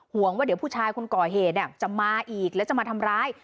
ห่วงว่าเดี๋ยวผู้ชายคนก่อเหตุจะมาอีกแล้วจะมาทำร้าย